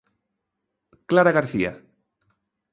Clara García.